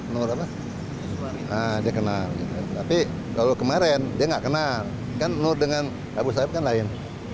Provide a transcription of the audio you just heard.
nur apa dia kenal tapi kalau kemarin dia nggak kenal kan nur dengan abu sayyaf kan lain